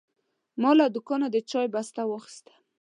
ما له دوکانه د چای بسته واخیسته.